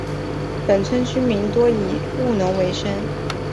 本村居民多以务农为生。